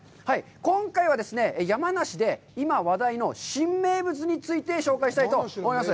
今回はですね、山梨で今話題の新名物について紹介したいと思います。